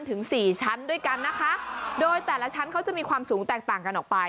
ถึงสี่ชั้นด้วยกันนะคะโดยแต่ละชั้นเขาจะมีความสูงแตกต่างกันออกไป